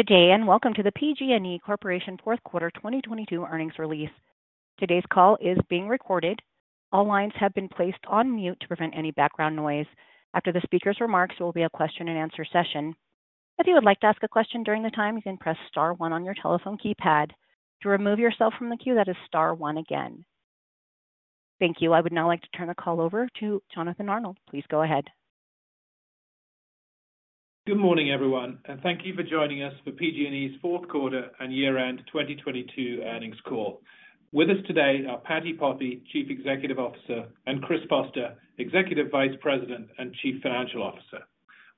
Good day. Welcome to the PG&E Corporation fourth quarter 2022 earnings release. Today's call is being recorded. All lines have been placed on mute to prevent any background noise. After the speaker's remarks, there will be a question-and-answer session. If you would like to ask a question during the time, you can press star one on your telephone keypad. To remove yourself from the queue, that is star one again. Thank you. I would now like to turn the call over to Jonathan Arnold. Please go ahead. Good morning, everyone, and thank you for joining us for PG&E's fourth quarter and year-end 2022 earnings call. With us today are Patti Poppe, Chief Executive Officer, and Chris Foster, Executive Vice President and Chief Financial Officer.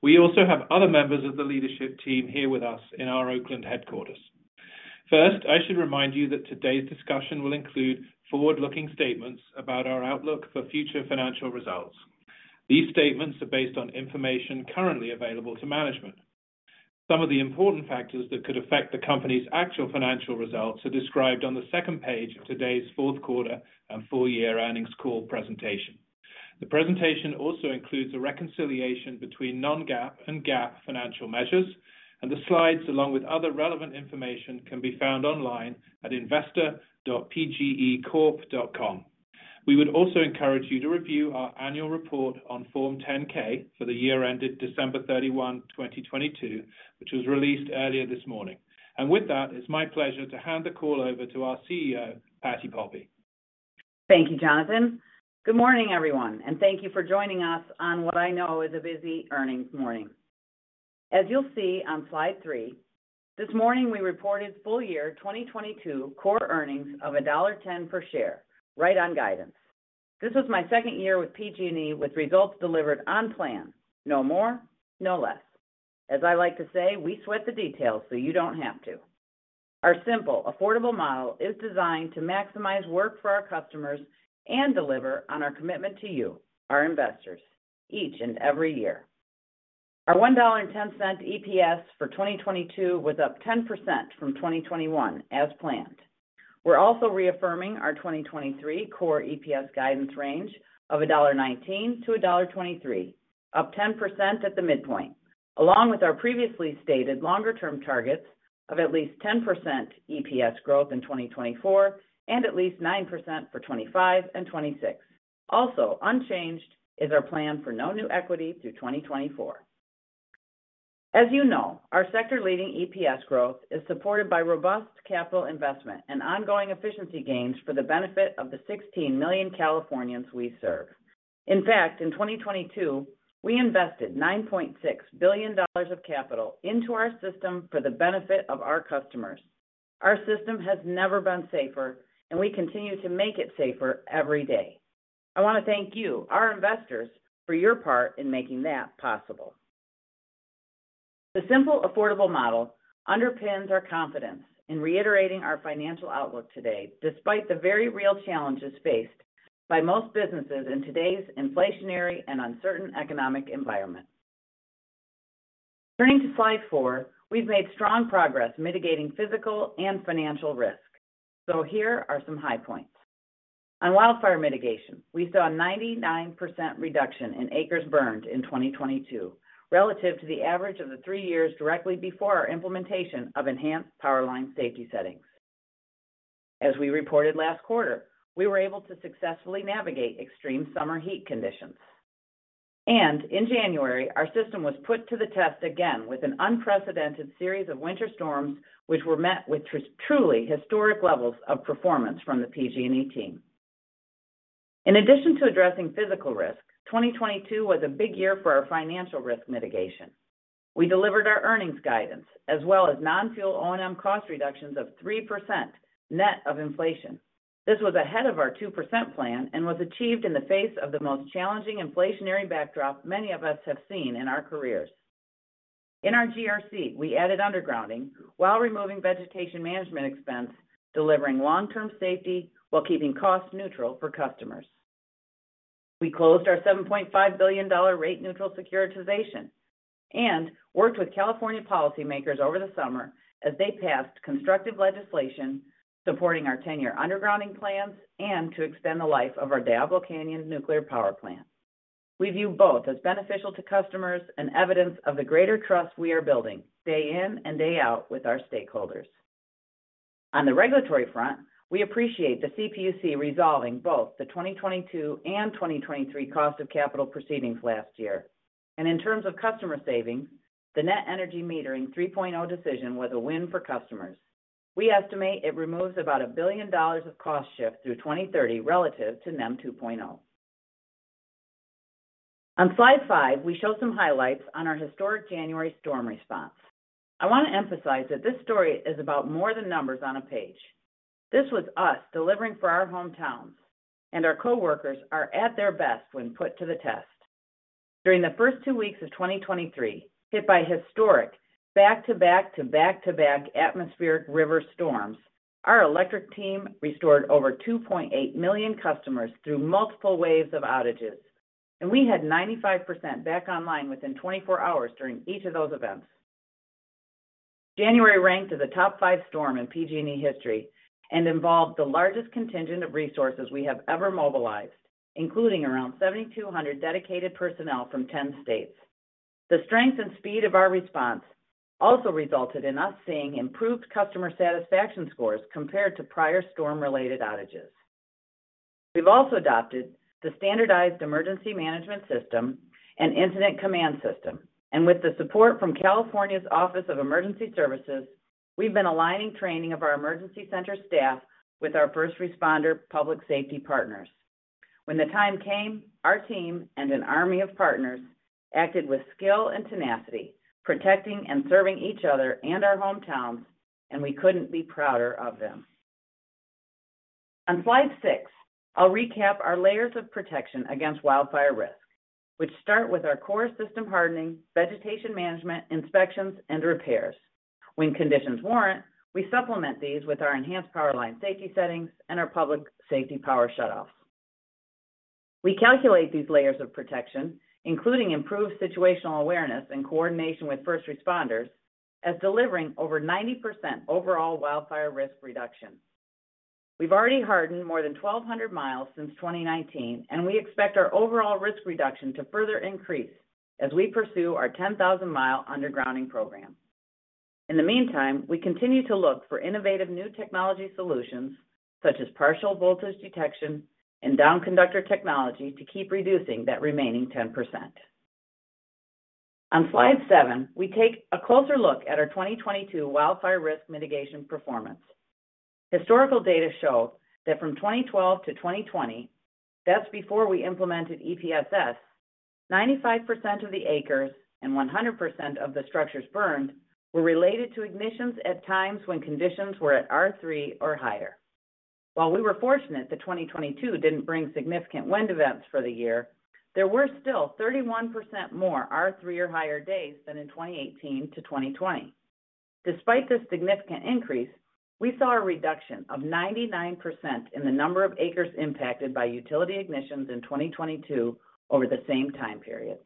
We also have other members of the leadership team here with us in our Oakland headquarters. First, I should remind you that today's discussion will include forward-looking statements about our outlook for future financial results. These statements are based on information currently available to management. Some of the important factors that could affect the company's actual financial results are described on the second page of today's fourth quarter and full year earnings call presentation. The presentation also includes a reconciliation between non-GAAP and GAAP financial measures, and the slides, along with other relevant information, can be found online at investor.pgecorp.com. We would also encourage you to review our annual report on Form 10-K for the year ended December 31, 2022, which was released earlier this morning. With that, it's my pleasure to hand the call over to our CEO, Patti Poppe. Thank you, Jonathan. Good morning, everyone, and thank you for joining us on what I know is a busy earnings morning. As you'll see on slide three, this morning we reported full year 2022 core earnings of $1.10 per share, right on guidance. This was my second year with PG&E, with results delivered on plan, no more, no less. As I like to say, we sweat the details so you don't have to. Our simple, affordable model is designed to maximize work for our customers and deliver on our commitment to you, our investors, each and every year. Our $1.10 EPS for 2022 was up 10% from 2021, as planned. We're also reaffirming our 2023 core EPS guidance range of $1.19-$1.23, up 10% at the midpoint, along with our previously stated longer-term targets of at least 10% EPS growth in 2024 and at least 9% for 2025 and 2026. Also unchanged is our plan for no new equity through 2024. As you know, our sector-leading EPS growth is supported by robust capital investment and ongoing efficiency gains for the benefit of the 16 million Californians we serve. In fact, in 2022, we invested $9.6 billion of capital into our system for the benefit of our customers. Our system has never been safer, and we continue to make it safer every day. I wanna thank you, our investors, for your part in making that possible. The simple, affordable model underpins our confidence in reiterating our financial outlook today, despite the very real challenges faced by most businesses in today's inflationary and uncertain economic environment. Turning to slide four, we've made strong progress mitigating physical and financial risk. Here are some high points. On wildfire mitigation, we saw a 99% reduction in acres burned in 2022 relative to the average of the three years directly before our implementation of enhanced power line safety settings. As we reported last quarter, we were able to successfully navigate extreme summer heat conditions. In January, our system was put to the test again with an unprecedented series of winter storms, which were met with truly historic levels of performance from the PG&E team. In addition to addressing physical risk, 2022 was a big year for our financial risk mitigation. We delivered our earnings guidance as well as non-fuel O&M cost reductions of 3% net of inflation. This was ahead of our 2% plan and was achieved in the face of the most challenging inflationary backdrop many of us have seen in our careers. In our GRC, we added undergrounding while removing vegetation management expense, delivering long-term safety while keeping costs neutral for customers. We closed our $7.5 billion rate neutral securitization and worked with California policymakers over the summer as they passed constructive legislation supporting our 10-year undergrounding plans and to extend the life of our Diablo Canyon Nuclear Power Plant. We view both as beneficial to customers and evidence of the greater trust we are building day in and day out with our stakeholders. On the regulatory front, we appreciate the CPUC resolving both the 2022 and 2023 cost of capital proceedings last year. In terms of customer savings, the NEM 3.0 decision was a win for customers. We estimate it removes about $1 billion of cost shift through 2030 relative to NEM 2.0. On slide five, we show some highlights on our historic January storm response. I want to emphasize that this story is about more than numbers on a page. This was us delivering for our hometowns, and our coworkers are at their best when put to the test. During the first two weeks of 2023, hit by historic back-to-back to back-to-back atmospheric river storms, our electric team restored over 2.8 million customers through multiple waves of outages, and we had 95% back online within 24 hours during each of those events. January ranked as a top five storm in PG&E history and involved the largest contingent of resources we have ever mobilized, including around 7,200 dedicated personnel from 10 states. The strength and speed of our response also resulted in us seeing improved customer satisfaction scores compared to prior storm-related outages. We've also adopted the Standardized Emergency Management System and Incident Command System. With the support from California's Office of Emergency Services, we've been aligning training of our emergency center staff with our first responder public safety partners. When the time came, our team and an army of partners acted with skill and tenacity, protecting and serving each other and our hometowns. We couldn't be prouder of them. On slide six, I'll recap our layers of protection against wildfire risk, which start with our core system hardening, vegetation management, inspections, and repairs. When conditions warrant, we supplement these with our enhanced power line safety settings and our public safety power shutoffs. We calculate these layers of protection, including improved situational awareness and coordination with first responders, as delivering over 90% overall wildfire risk reduction. We've already hardened more than 1,200 miles since 2019, and we expect our overall risk reduction to further increase as we pursue our 10,000 mile undergrounding program. In the meantime, we continue to look for innovative new technology solutions, such as Partial Voltage Detection and down conductor technology to keep reducing that remaining 10%. On slide seven, we take a closer look at our 2022 wildfire risk mitigation performance. Historical data show that from 2012 to 2020, that's before we implemented EPSS, 95% of the acres and 100% of the structures burned were related to ignitions at times when conditions were at R3 or higher. We were fortunate that 2022 didn't bring significant wind events for the year, there were still 31% more R3 or higher days than in 2018 to 2020. Despite this significant increase, we saw a reduction of 99% in the number of acres impacted by utility ignitions in 2022 over the same time period.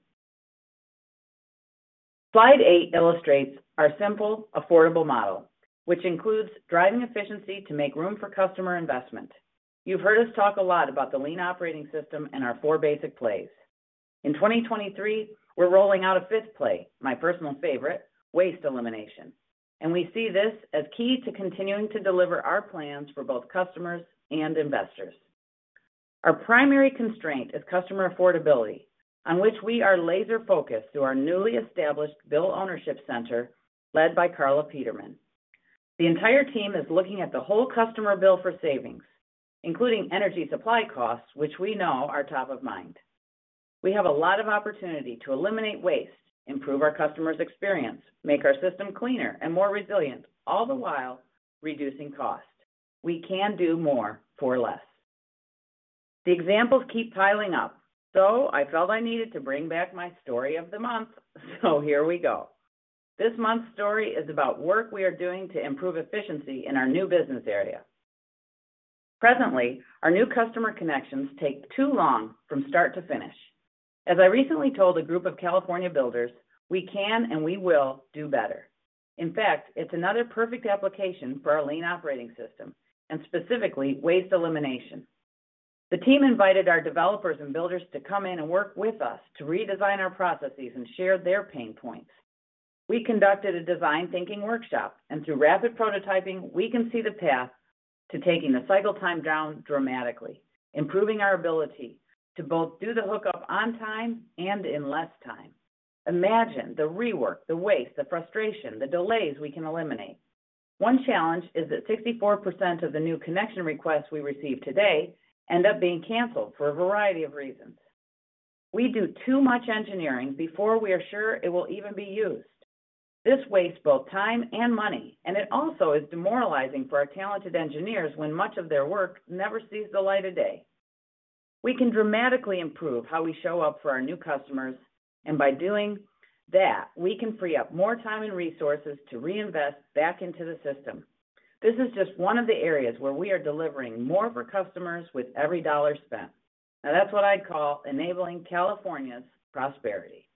Slide eight illustrates our simple, affordable model, which includes driving efficiency to make room for customer investment. You've heard us talk a lot about the lean operating system and our four basic plays. In 2023, we're rolling out a fifth play, my personal favorite, waste elimination. We see this as key to continuing to deliver our plans for both customers and investors. Our primary constraint is customer affordability, on which we are laser-focused through our newly established bill ownership center led by Carla Peterman. The entire team is looking at the whole customer bill for savings, including energy supply costs, which we know are top of mind. We have a lot of opportunity to eliminate waste, improve our customers' experience, make our system cleaner and more resilient, all the while reducing cost. We can do more for less. The examples keep piling up. I felt I needed to bring back my story of the month. Here we go. This month's story is about work we are doing to improve efficiency in our new business area. Presently, our new customer connections take too long from start to finish. As I recently told a group of California builders, we can and we will do better. In fact, it's another perfect application for our lean operating system, and specifically, waste elimination. The team invited our developers and builders to come in and work with us to redesign our processes and share their pain points. We conducted a design thinking workshop, and through rapid prototyping, we can see the path to taking the cycle time down dramatically, improving our ability to both do the hookup on time and in less time. Imagine the rework, the waste, the frustration, the delays we can eliminate. One challenge is that 64% of the new connection requests we receive today end up being canceled for a variety of reasons. We do too much engineering before we are sure it will even be used. This wastes both time and money, and it also is demoralizing for our talented engineers when much of their work never sees the light of day. We can dramatically improve how we show up for our new customers, and by doing that, we can free up more time and resources to reinvest back into the system. This is just one of the areas where we are delivering more for customers with every dollar spent. Now that's what I'd call enabling California's prosperity.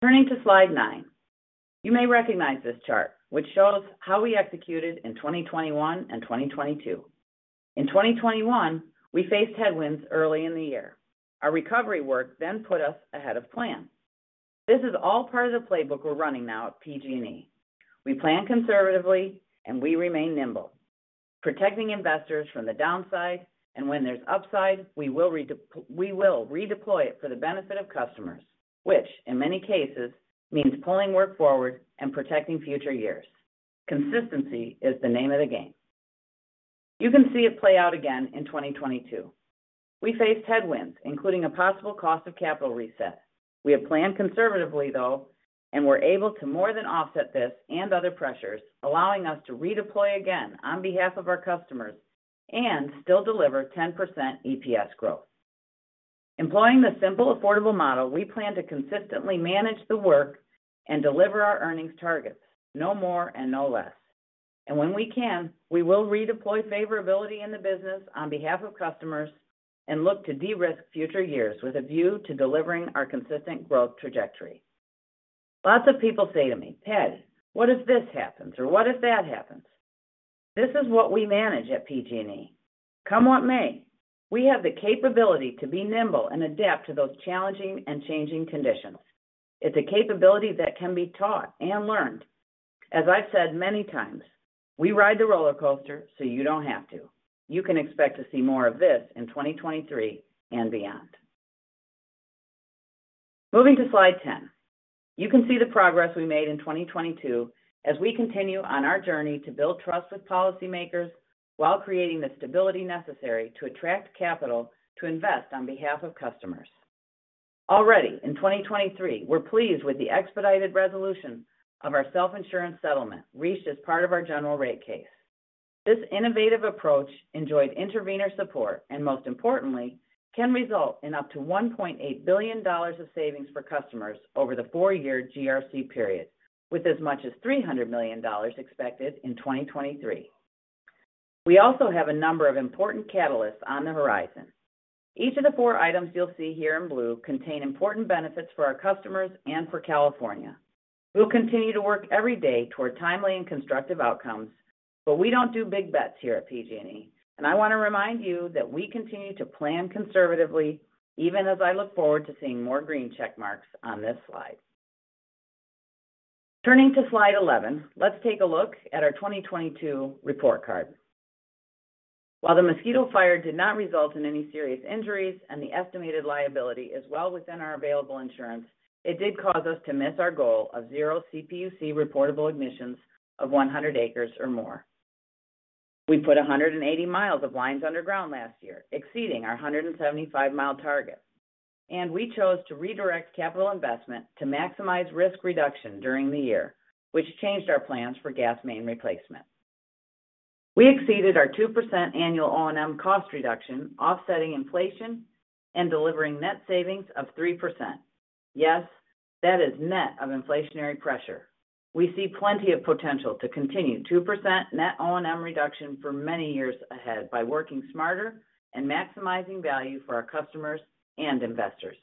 Turning to slide nine. You may recognize this chart, which shows how we executed in 2021 and 2022. In 2021, we faced headwinds early in the year. Our recovery work put us ahead of plan. This is all part of the playbook we're running now at PG&E. We plan conservatively, we remain nimble, protecting investors from the downside, and when there's upside, we will redeploy it for the benefit of customers, which in many cases, means pulling work forward and protecting future years. Consistency is the name of the game. You can see it play out again in 2022. We faced headwinds, including a possible cost of capital reset. We have planned conservatively, though, we're able to more than offset this and other pressures, allowing us to redeploy again on behalf of our customers and still deliver 10% EPS growth. Employing the simple, affordable model, we plan to consistently manage the work and deliver our earnings targets, no more and no less. When we can, we will redeploy favorability in the business on behalf of customers and look to de-risk future years with a view to delivering our consistent growth trajectory. Lots of people say to me, "Patti, what if this happens, or what if that happens?" This is what we manage at PG&E. Come what may, we have the capability to be nimble and adapt to those challenging and changing conditions. It's a capability that can be taught and learned. As I've said many times, we ride the roller coaster so you don't have to. You can expect to see more of this in 2023 and beyond. Moving to slide 10. You can see the progress we made in 2022 as we continue on our journey to build trust with policymakers while creating the stability necessary to attract capital to invest on behalf of customers. Already in 2023, we're pleased with the expedited resolution of our self-insurance settlement reached as part of our general rate case. This innovative approach enjoyed intervener support. Most importantly, can result in up to $1.8 billion of savings for customers over the four-year GRC period, with as much as $300 million expected in 2023. We also have a number of important catalysts on the horizon. Each of the 4 items you'll see here in blue contain important benefits for our customers and for California. We'll continue to work every day toward timely and constructive outcomes. We don't do big bets here at PG&E. I want to remind you that we continue to plan conservatively even as I look forward to seeing more green check marks on this slide. Turning to slide 11, let's take a look at our 2022 report card. While the Mosquito fire did not result in any serious injuries and the estimated liability is well within our available insurance, it did cause us to miss our goal of zero CPUC reportable emissions of 100 acres or more. We put 180 miles of lines underground last year, exceeding our 175 mile target, we chose to redirect capital investment to maximize risk reduction during the year, which changed our plans for gas main replacement. We exceeded our 2% annual O&M cost reduction, offsetting inflation and delivering net savings of 3%. Yes, that is net of inflationary pressure. We see plenty of potential to continue 2% net O&M reduction for many years ahead by working smarter and maximizing value for our customers and investors.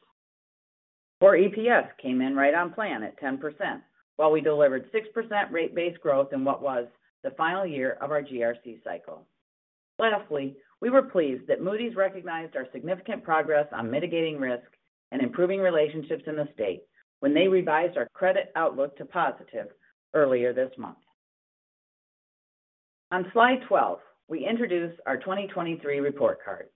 4 EPS came in right on plan at 10%, while we delivered 6% rate base growth in what was the final year of our GRC cycle. Lastly, we were pleased that Moody's recognized our significant progress on mitigating risk and improving relationships in the state when they revised our credit outlook to positive earlier this month. On slide 12, we introduce our 2023 report card.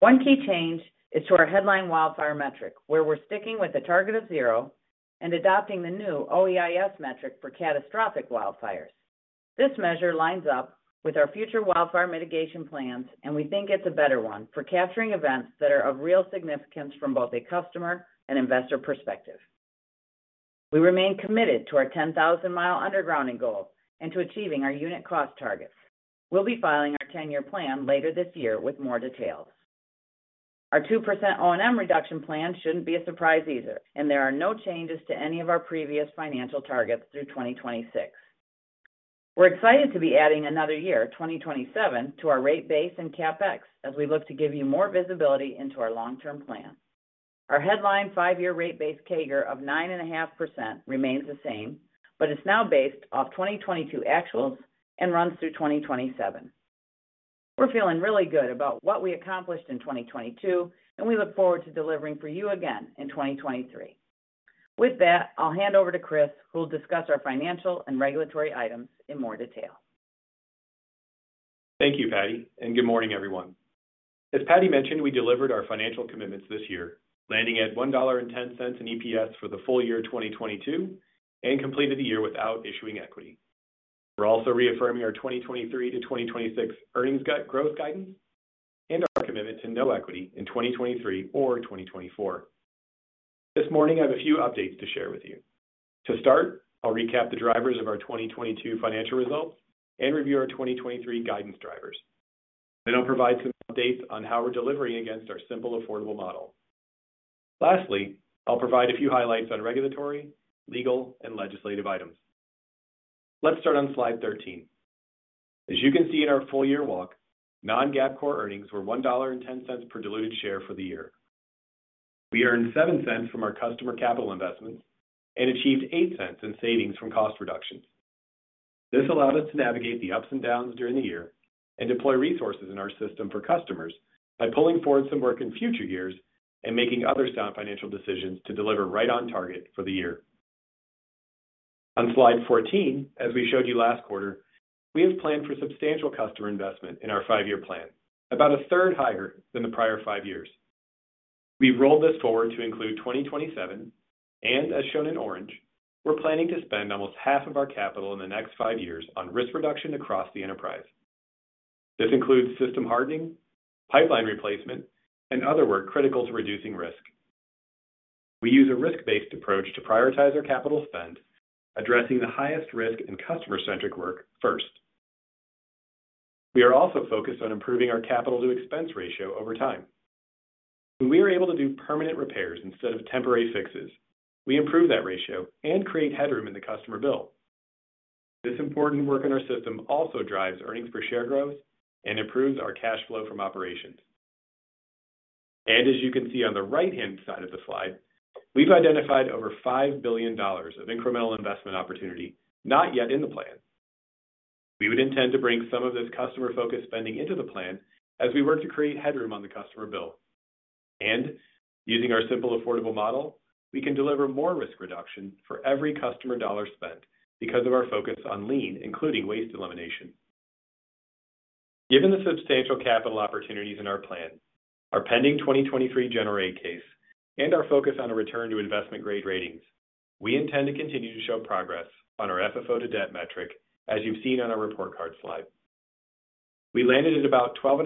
One key change is to our headline wildfire metric, where we're sticking with a target of zero and adopting the new OEIS metric for catastrophic wildfires. This measure lines up with our future wildfire mitigation plans, and we think it's a better one for capturing events that are of real significance from both a customer and investor perspective. We remain committed to our 10,000 mile undergrounding goal and to achieving our unit cost targets. We'll be filing our 10-year plan later this year with more details. Our 2% O&M reduction plan shouldn't be a surprise either. There are no changes to any of our previous financial targets through 2026. We're excited to be adding another year, 2027, to our rate base in CapEx as we look to give you more visibility into our long-term plan. Our headline five-year rate base CAGR of 9.5% remains the same, but it's now based off 2022 actuals and runs through 2027. We're feeling really good about what we accomplished in 2022, and we look forward to delivering for you again in 2023. With that, I'll hand over to Chris, who will discuss our financial and regulatory items in more detail. Thank you, Patti. Good morning, everyone. As Patti mentioned, we delivered our financial commitments this year, landing at $1.10 in EPS for the full year 2022 and completed the year without issuing equity. We're also reaffirming our 2023 to 2026 earnings gut growth guidance and our commitment to no equity in 2023 or 2024. This morning, I have a few updates to share with you. To start, I'll recap the drivers of our 2022 financial results and review our 2023 guidance drivers. I'll provide some updates on how we're delivering against our simple, affordable model. Lastly, I'll provide a few highlights on regulatory, legal, and legislative items. Let's start on slide 13. As you can see in our full-year walk, non-GAAP core earnings were $1.10 per diluted share for the year. We earned $0.07 from our customer capital investments and achieved $0.08 in savings from cost reductions. This allowed us to navigate the ups and downs during the year and deploy resources in our system for customers by pulling forward some work in future years and making other sound financial decisions to deliver right on target for the year. On slide 14, as we showed you last quarter, we have planned for substantial customer investment in our five-year plan, about a third higher than the prior five years. We've rolled this forward to include 2027, and as shown in orange, we're planning to spend almost half of our capital in the next five years on risk reduction across the enterprise. This includes system hardening, pipeline replacement, and other work critical to reducing risk. We use a risk-based approach to prioritize our capital spend, addressing the highest risk and customer-centric work first. We are also focused on improving our capital-to-expense ratio over time. When we are able to do permanent repairs instead of temporary fixes, we improve that ratio and create headroom in the customer bill. This important work in our system also drives earnings per share growth and improves our cash flow from operations. As you can see on the right-hand side of the slide, we've identified over $5 billion of incremental investment opportunity not yet in the plan. We would intend to bring some of this customer-focused spending into the plan as we work to create headroom on the customer bill. Using our simple, affordable model, we can deliver more risk reduction for every customer dollar spent because of our focus on lean, including waste elimination. Given the substantial capital opportunities in our plan, our pending 2023 general rate case, and our focus on a return to investment-grade ratings, we intend to continue to show progress on our FFO to debt metric, as you've seen on our report card slide. We landed at about 12.5%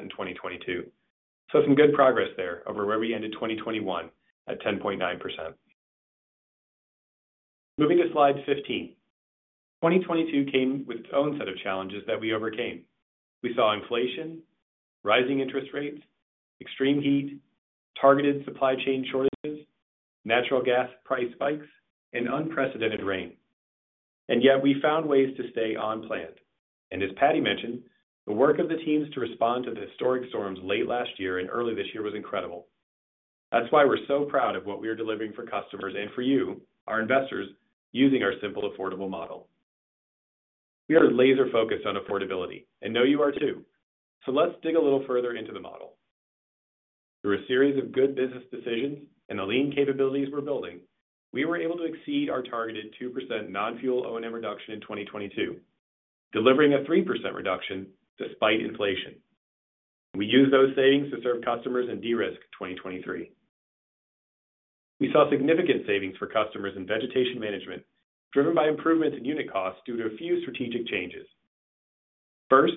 in 2022. Some good progress there over where we ended 2021 at 10.9%. Moving to slide 15. 2022 came with its own set of challenges that we overcame. We saw inflation, rising interest rates, extreme heat, targeted supply chain shortages, natural gas price spikes, and unprecedented rain. Yet we found ways to stay on plan. As Patti mentioned, the work of the teams to respond to the historic storms late last year and early this year was incredible. That's why we're so proud of what we are delivering for customers and for you, our investors, using our simple, affordable model. We are laser-focused on affordability and know you are too. Let's dig a little further into the model. Through a series of good business decisions and the lean capabilities we're building, we were able to exceed our targeted 2% non-fuel O&M reduction in 2022, delivering a 3% reduction despite inflation. We used those savings to serve customers and de-risk 2023. We saw significant savings for customers in vegetation management, driven by improvements in unit costs due to a few strategic changes. First,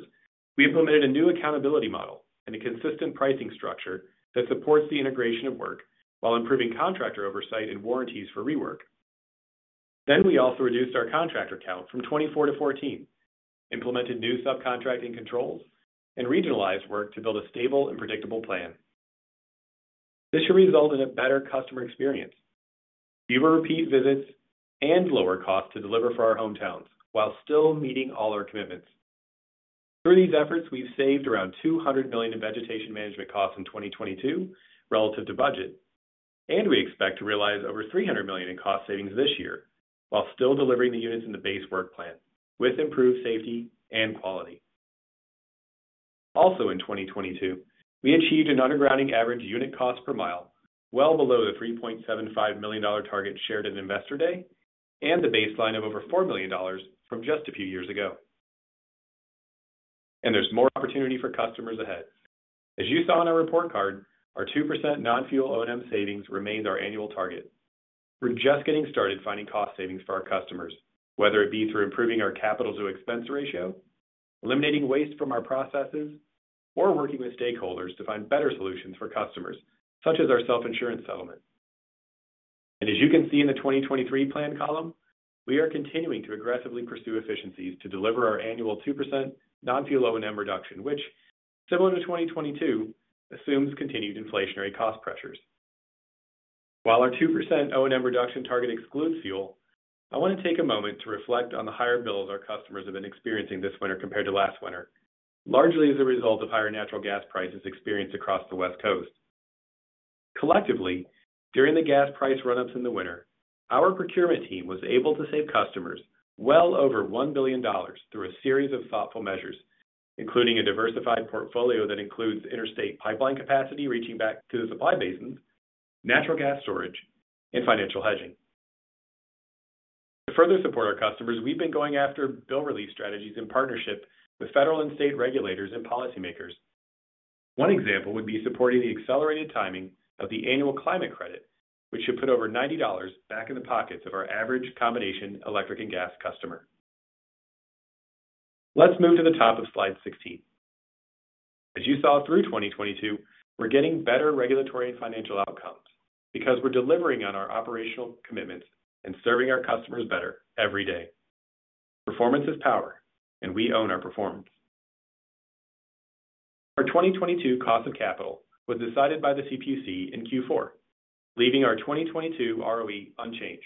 we implemented a new accountability model and a consistent pricing structure that supports the integration of work while improving contractor oversight and warranties for rework. We also reduced our contractor count from 24-14, implemented new subcontracting controls, and regionalized work to build a stable and predictable plan. This should result in a better customer experience, fewer repeat visits, and lower cost to deliver for our hometowns while still meeting all our commitments. Through these efforts, we've saved around $200 million in vegetation management costs in 2022 relative to budget, and we expect to realize over $300 million in cost savings this year while still delivering the units in the base work plan with improved safety and quality. In 2022, we achieved an undergrounding average unit cost per mile well below the $3.75 million target shared at Investor Day and the baseline of over $4 million from just a few years ago. There's more opportunity for customers ahead. As you saw in our report card, our 2% non-fuel O&M savings remains our annual target. We're just getting started finding cost savings for our customers, whether it be through improving our capital to expense ratio, eliminating waste from our processes, or working with stakeholders to find better solutions for customers, such as our self-insurance settlement. As you can see in the 2023 plan column, we are continuing to aggressively pursue efficiencies to deliver our annual 2% non-fuel O&M reduction, which similar to 2022 assumes continued inflationary cost pressures. While our 2% O&M reduction target excludes fuel, I want to take a moment to reflect on the higher bills our customers have been experiencing this winter compared to last winter, largely as a result of higher natural gas prices experienced across the West Coast. Collectively, during the gas price run-ups in the winter, our procurement team was able to save customers well over $1 billion through a series of thoughtful measures, including a diversified portfolio that includes interstate pipeline capacity reaching back to the supply basins, natural gas storage, and financial hedging. To further support our customers, we've been going after bill relief strategies in partnership with federal and state regulators and policymakers. One example would be supporting the accelerated timing of the annual Climate Credit, which should put over $90 back in the pockets of our average combination electric and gas customer. Let's move to the top of slide 16. As you saw through 2022, we're getting better regulatory and financial outcomes because we're delivering on our operational commitments and serving our customers better every day. Performance is power, and we own our performance. Our 2022 cost of capital was decided by the CPUC in Q4, leaving our 2022 ROE unchanged.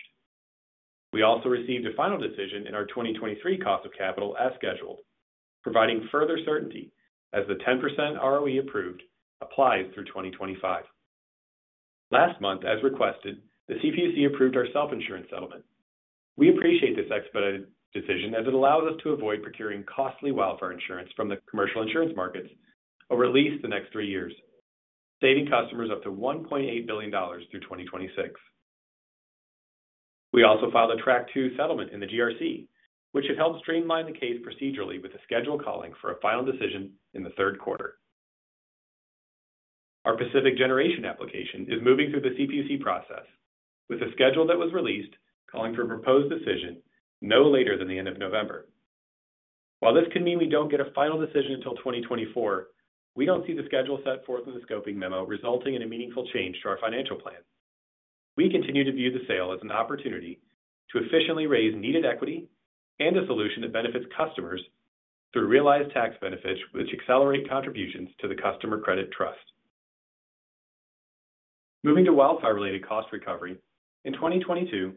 We also received a final decision in our 2023 cost of capital as scheduled, providing further certainty as the 10% ROE approved applies through 2025. Last month, as requested, the CPUC approved our self-insurance settlement. We appreciate this expedited decision as it allows us to avoid procuring costly wildfire insurance from the commercial insurance markets over at least the next three years, saving customers up to $1.8 billion through 2026. We also filed a Track Two settlement in the GRC, which should help streamline the case procedurally with a schedule calling for a final decision in the third quarter. Our Pacific Generation application is moving through the CPUC process with a schedule that was released calling for a proposed decision no later than the end of November. While this could mean we don't get a final decision until 2024, we don't see the schedule set forth in the scoping memo resulting in a meaningful change to our financial plan. We continue to view the sale as an opportunity to efficiently raise needed equity and a solution that benefits customers through realized tax benefits which accelerate contributions to the Customer Credit Trust. Moving to wildfire-related cost recovery. In 2022,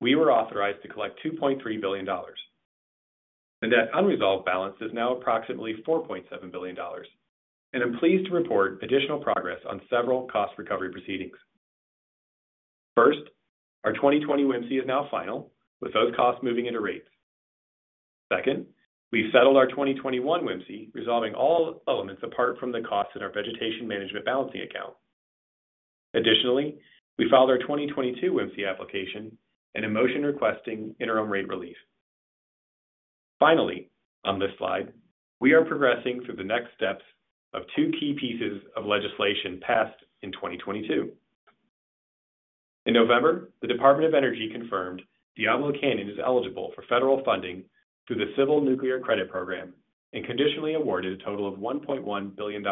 we were authorized to collect $2.3 billion. That unresolved balance is now approximately $4.7 billion. I'm pleased to report additional progress on several cost recovery proceedings. First, our 2020 WMC is now final, with those costs moving into rates. We've settled our 2021 WMC, resolving all elements apart from the costs in our Vegetation Management Balancing Account. We filed our 2022 WMC application and a motion requesting interim rate relief. On this slide, we are progressing through the next steps of two key pieces of legislation passed in 2022. In November, the Department of Energy confirmed Diablo Canyon is eligible for federal funding through the Civil Nuclear Credit Program and conditionally awarded a total of $1.1 billion.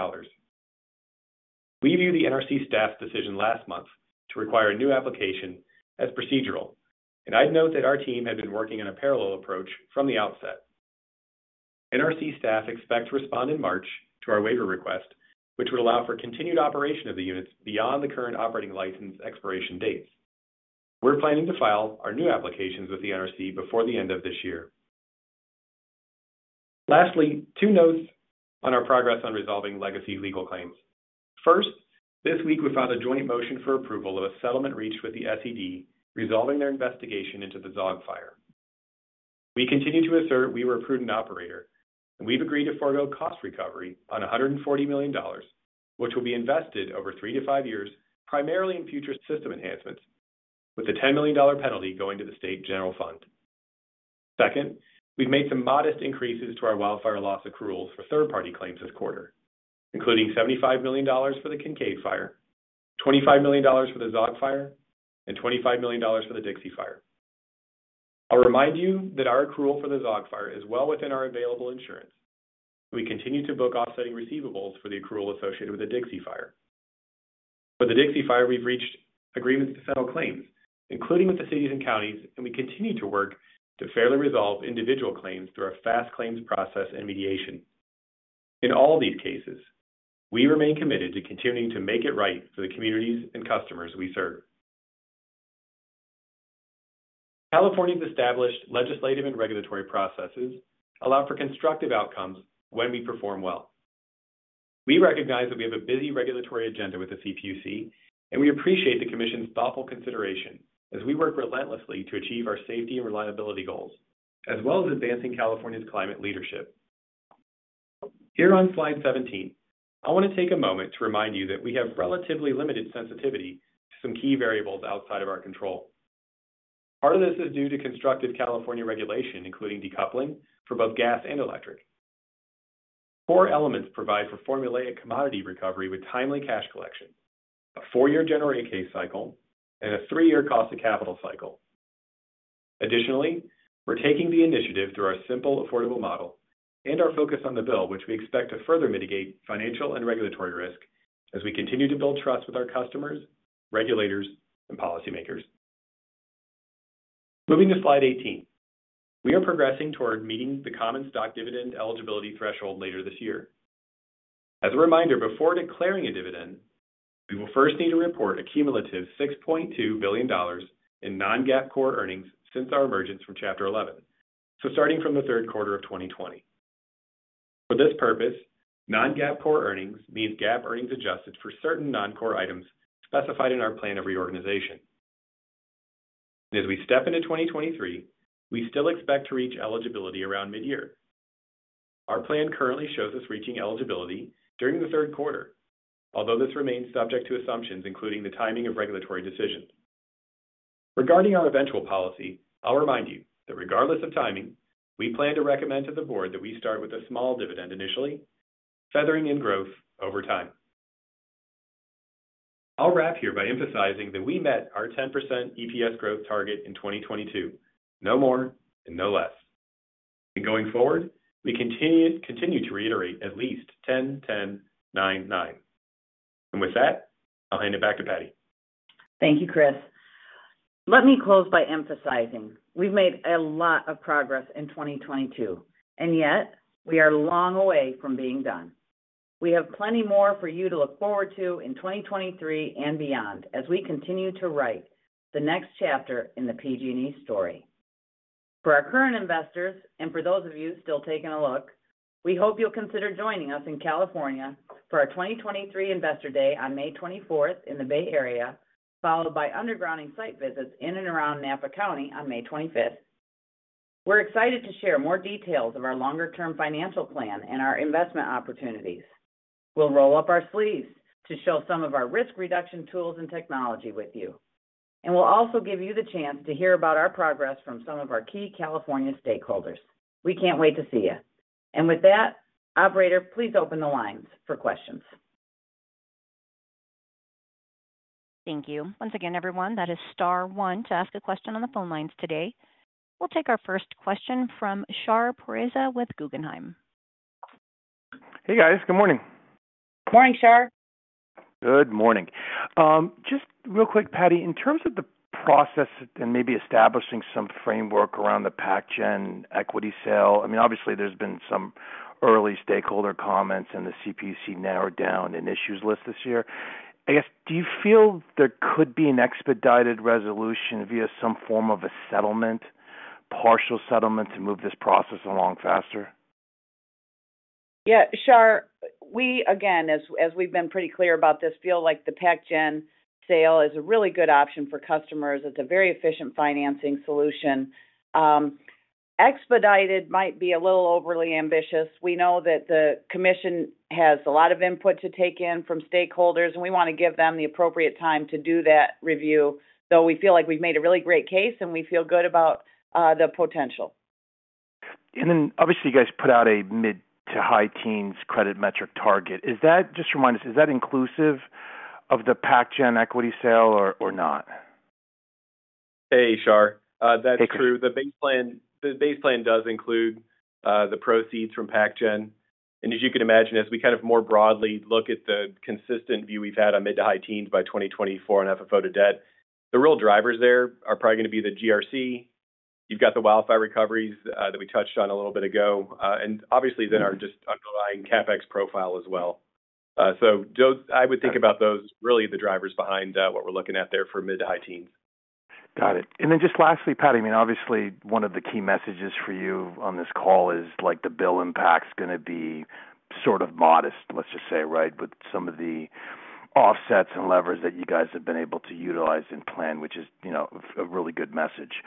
We view the NRC staff's decision last month to require a new application as procedural, and I'd note that our team had been working in a parallel approach from the outset. NRC staff expect to respond in March to our waiver request, which would allow for continued operation of the units beyond the current operating license expiration dates. We're planning to file our new applications with the NRC before the end of this year. Lastly, two notes on our progress on resolving legacy legal claims. First, this week we filed a joint motion for approval of a settlement reached with the SED resolving their investigation into the Zogg Fire. We continue to assert we were a prudent operator, and we've agreed to forego cost recovery on $140 million, which will be invested over three to five years, primarily in future system enhancements, with a $10 million penalty going to the state general fund. Second, we've made some modest increases to our wildfire loss accruals for third-party claims this quarter, including $75 million for the Kincade Fire, $25 million for the Zogg Fire, and $25 million for the Dixie Fire. I'll remind you that our accrual for the Zogg Fire is well within our available insurance. We continue to book offsetting receivables for the accrual associated with the Dixie Fire. For the Dixie Fire, we've reached agreements to settle claims, including with the cities and counties, and we continue to work to fairly resolve individual claims through our fast claims process and mediation. In all these cases, we remain committed to continuing to make it right for the communities and customers we serve. California's established legislative and regulatory processes allow for constructive outcomes when we perform well. We recognize that we have a busy regulatory agenda with the CPUC, and we appreciate the Commission's thoughtful consideration as we work relentlessly to achieve our safety and reliability goals, as well as advancing California's climate leadership. Here on slide 17, I want to take a moment to remind you that we have relatively limited sensitivity to some key variables outside of our control. Part of this is due to constructive California regulation, including decoupling for both gas and electric. five elements provide for formulaic commodity recovery with timely cash collection: a four-year general rate case cycle and a three-year cost of capital cycle. Additionally, we're taking the initiative through our simple, affordable model and our focus on the bill, which we expect to further mitigate financial and regulatory risk as we continue to build trust with our customers, regulators, and policymakers. Moving to slide 18. We are progressing toward meeting the common stock dividend eligibility threshold later this year. As a reminder, before declaring a dividend, we will first need to report a cumulative $6.2 billion in non-GAAP core earnings since our emergence from Chapter 11, so starting from the third quarter of 2020. For this purpose, non-GAAP core earnings means GAAP earnings adjusted for certain non-core items specified in our plan of reorganization. As we step into 2023, we still expect to reach eligibility around mid-year. Our plan currently shows us reaching eligibility during the third quarter, although this remains subject to assumptions, including the timing of regulatory decisions. Regarding our eventual policy, I'll remind you that regardless of timing, we plan to recommend to the board that we start with a small dividend initially, feathering in growth over time. I'll wrap here by emphasizing that we met our 10% EPS growth target in 2022, no more and no less. Going forward, we continue to reitera te at least 10 10 9 9. With that, I'll hand it back to Patti. Thank you, Chris. Let me close by emphasizing we've made a lot of progress in 2022. Yet we are long away from being done. We have plenty more for you to look forward to in 2023 and beyond as we continue to write the next chapter in the PG&E story. For our current investors and for those of you still taking a look, we hope you'll consider joining us in California for our 2023 Investor Day on May 24th in the Bay Area, followed by undergrounding site visits in and around Napa County on May 25th. We're excited to share more details of our longer-term financial plan and our investment opportunities. We'll roll up our sleeves to show some of our risk reduction tools and technology with you. We'll also give you the chance to hear about our progress from some of our key California stakeholders. We can't wait to see you. With that, operator, please open the lines for questions. Thank you. Once again, everyone, that is star one to ask a question on the phone lines today. We'll take our first question from Shar Pourreza with Guggenheim. Hey, guys. Good morning. Morning, Shar. Good morning. Just real quick, Patti, in terms of the process and maybe establishing some framework around the PacGen equity sale, I mean, obviously there's been some early stakeholder comments and the CPUC narrowed down an issues list this year. I guess, do you feel there could be an expedited resolution via some form of a settlement, partial settlement to move this process along faster? Yeah, Shar. We, again, as we've been pretty clear about this, feel like the PacGen sale is a really good option for customers. It's a very efficient financing solution. Expedited might be a little overly ambitious. We know that the commission has a lot of input to take in from stakeholders, and we wanna give them the appropriate time to do that review. We feel like we've made a really great case, and we feel good about the potential. Obviously, you guys put out a mid to high teens credit metric target. Is that. Just remind us, is that inclusive of the PacGen equity sale or not? Hey, Shar. That's true. Hey, Chris. The base plan, the base plan does include the proceeds from PacGen. As you can imagine, as we kind of more broadly look at the consistent view we've had on mid to high teens by 2024 and FFO to debt, the real drivers there are probably gonna be the GRC. You've got the wildfire recoveries that we touched on a little bit ago. Obviously then our just underlying CapEx profile as well. I would think about those really the drivers behind what we're looking at there for mid to high teens. Got it. Then just lastly, Patti, I mean, obviously one of the key messages for you on this call is like the bill impact's gonna be sort of modest, let's just say, right? With some of the offsets and levers that you guys have been able to utilize and plan, which is, you know, a really good message.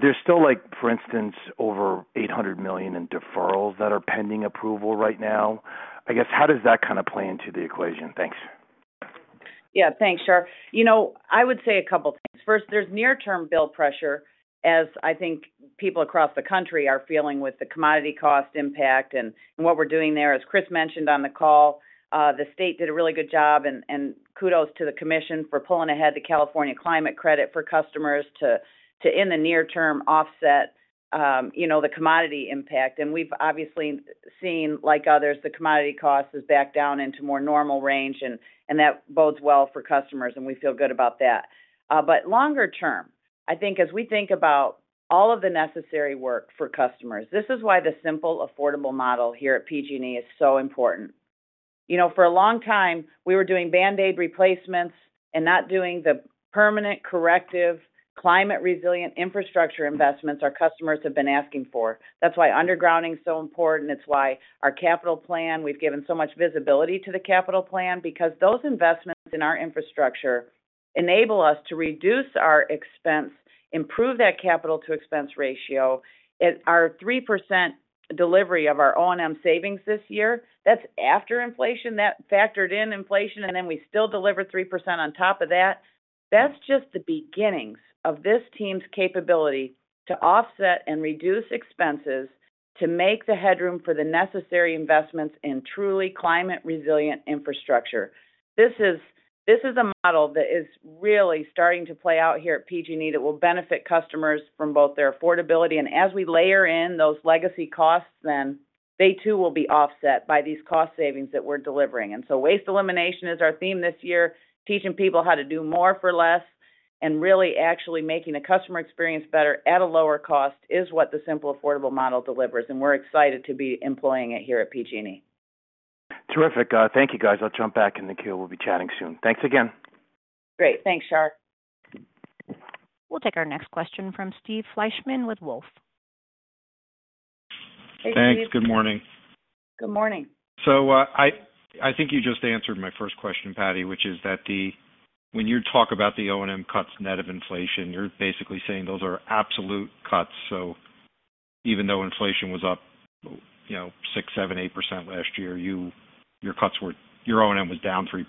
There's still like, for instance, over $800 million in deferrals that are pending approval right now. I guess, how does that kind of play into the equation? Thanks. Yeah. Thanks, Shar. You know, I would say a couple things. First, there's near term bill pressure, as I think people across the country are feeling with the commodity cost impact and what we're doing there. As Chris mentioned on the call, the state did a really good job and kudos to the Commission for pulling ahead the California Climate Credit for customers to in the near term offset, you know, the commodity impact. We've obviously seen, like others, the commodity cost is back down into more normal range, and that bodes well for customers, and we feel good about that. Longer term, I think as we think about all of the necessary work for customers, this is why the simple, affordable model here at PG&E is so important. You know, for a long time, we were doing band-aid replacements and not doing the permanent corrective climate resilient infrastructure investments our customers have been asking for. That's why undergrounding is so important. It's why our capital plan, we've given so much visibility to the capital plan because those investments in our infrastructure enable us to reduce our expense, improve that capital to expense ratio. Our 3% delivery of our O&M savings this year, that's after inflation. That factored in inflation, and then we still delivered 3% on top of that. That's just the beginnings of this team's capability to offset and reduce expenses to make the headroom for the necessary investments in truly climate resilient infrastructure. This is a model that is really starting to play out here at PG&E that will benefit customers from both their affordability, and as we layer in those legacy costs, then they too will be offset by these cost savings that we're delivering. Waste elimination is our theme this year. Teaching people how to do more for less and really actually making the customer experience better at a lower cost is what the simple, affordable model delivers, and we're excited to be employing it here at PG&E. Terrific. Thank you, guys. I'll jump back in the queue. We'll be chatting soon. Thanks again. Great. Thanks, Shar. We'll take our next question from Steve Fleishman with Wolfe. Hey, Steve. Thanks. Good morning. Good morning. I think you just answered my first question, Patty, which is that. When you talk about the O&M cuts net of inflation, you're basically saying those are absolute cuts, so even though inflation was up, you know, 6%, 7%, 8% last year, Your O&M was down 3%.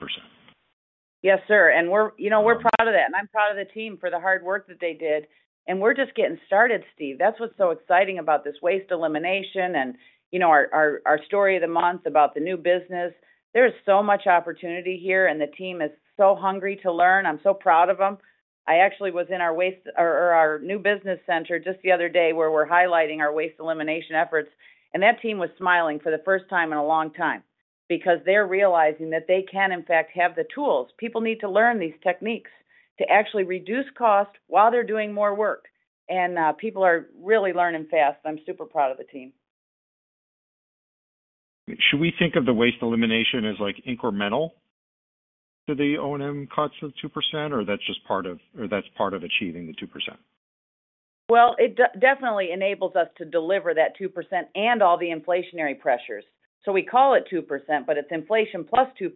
Yes, sir. We're, you know, we're proud of that, and I'm proud of the team for the hard work that they did. We're just getting started, Steve. That's what's so exciting about this waste elimination and, you know, our, our story of the month about the new business. There is so much opportunity here, and the team is so hungry to learn. I'm so proud of them. I actually was in our waste or our new business center just the other day, where we're highlighting our waste elimination efforts, and that team was smiling for the first time in a long time because they're realizing that they can, in fact, have the tools. People need to learn these techniques to actually reduce cost while they're doing more work. People are really learning fast. I'm super proud of the team. Should we think of the waste elimination as, like, incremental to the O&M cuts of 2%, or that's part of achieving the 2%? It definitely enables us to deliver that 2% and all the inflationary pressures. We call it 2%, but it's inflation plus 2%,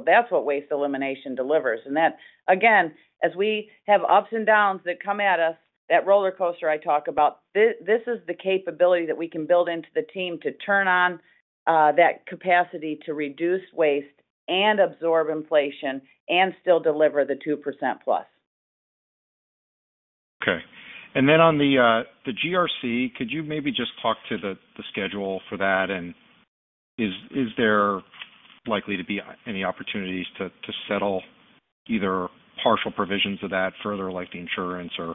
that's what waste elimination delivers. That, again, as we have ups and downs that come at us, that roller coaster I talk about, this is the capability that we can build into the team to turn on that capacity to reduce waste and absorb inflation and still deliver the 2%+. Okay. On the GRC, could you maybe just talk to the schedule for that? Is, is there likely to be any opportunities to settle either partial provisions of that further, like the insurance or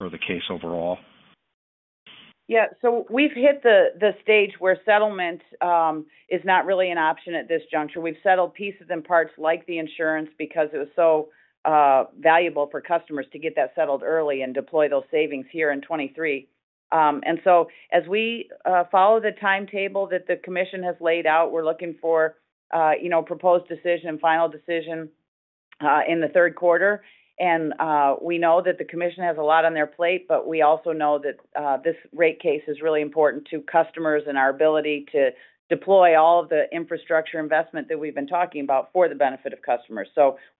the case overall? Yeah. We've hit the stage where settlement is not really an option at this juncture. We've settled pieces and parts like the insurance because it was so valuable for customers to get that settled early and deploy those savings here in 23. As we follow the timetable that the Commission has laid out, we're looking for, you know, proposed decision, final decision, in the third quarter. We know that the Commission has a lot on their plate, but we also know that this rate case is really important to customers and our ability to deploy all of the infrastructure investment that we've been talking about for the benefit of customers.